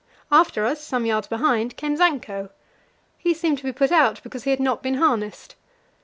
After us, some yards behind, came Zanko. He seemed to be put out because he had not been harnessed.